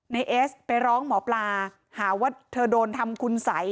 เอสไปร้องหมอปลาหาว่าเธอโดนทำคุณสัย